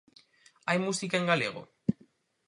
Hai música en galego?